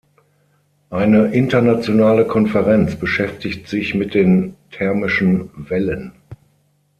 Eine internationale Konferenz beschäftigt sich mit den thermischen Wellen.